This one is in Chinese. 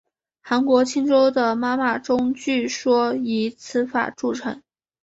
韩国庆州的妈妈钟据说以此法铸成。